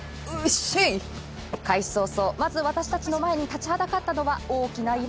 開始早々、まず私たちの前に立ちはだかったのは大きな岩。